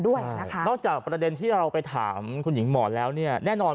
ด้วยนะคะนอกจากประเด็นที่เราไปถามคุณหญิงหมอแล้วเนี่ยแน่นอน